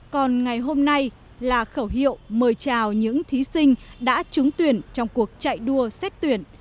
còn ngày hôm nay là khẩu hiệu mời chào những thí sinh đã trúng tuyển trong cuộc chạy đua xét tuyển